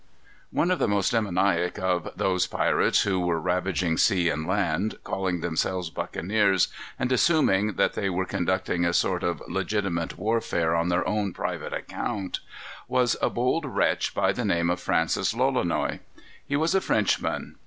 One of the most demoniac of those pirates who were ravaging sea and land, calling themselves buccaneers, and assuming that they were conducting a sort of legitimate warfare on their own private account, was a bold wretch by the name of Francis Lolonois. He was a Frenchman.